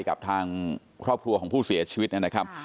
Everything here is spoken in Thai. กับทางครอบครัวของผู้เสียชีวิตนะครับ